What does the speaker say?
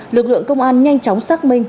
lực lượng công an nhanh chóng xác minh